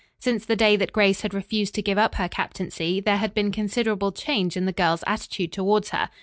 Since the day that Grace had refused to give up her captaincy there had been considerable change in the girls' attitude toward her.